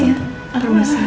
terima kasih ya